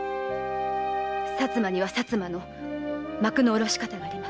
薩摩には薩摩の幕の下ろし方があります。